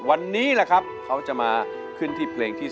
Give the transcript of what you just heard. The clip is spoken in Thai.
วันนี้แหละครับเขาจะมาขึ้นที่เพลงที่๓